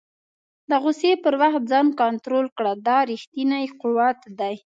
د غوسې پر وخت ځان کنټرول کړه، دا ریښتنی قوت دی.